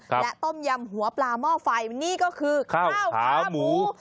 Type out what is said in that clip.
และต้มยำหัวปลาหม้อไฟนี่ก็คือข้าวขาหมู